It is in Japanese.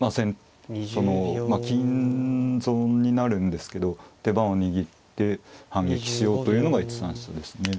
まあ金損になるんですけど手番を握って反撃しようというのが１三飛車ですね。